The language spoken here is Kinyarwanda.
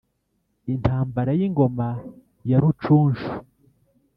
intambara y'ingoma ya rucunshu